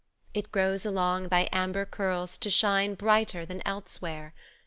It grows along thy amber curls to shine Brighter than elsewhere.